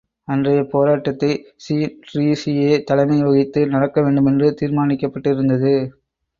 அன்றைய போராட்டத்தை ஸீன் டிரிஸியே தலைமை வகித்து நடக்க வேண்டுமென்று தீர்மானிக்கப்பட்டிருந்தது.